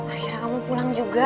akhirnya kamu pulang juga